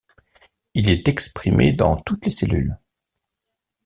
Il est exprimé dans toutes les cellules.